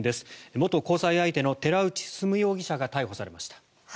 元交際相手の寺内進容疑者が逮捕されました。